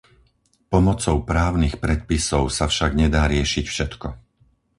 Pomocou právnych predpisov sa však nedá riešiť všetko.